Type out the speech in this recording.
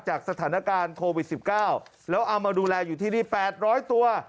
จากสถานการณ์โควิด๑๙แล้วเอามาดูแลอยู่ที่นี่๘๐๐ตัว